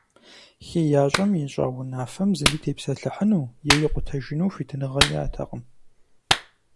ХеящӀэм ищӀа унафэм зыри тепсэлъыхьыну е икъутэжыну хуитыныгъэ иӀэтэкъым.